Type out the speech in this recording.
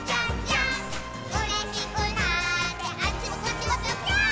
「うれしくなってあっちもこっちもぴょぴょーん」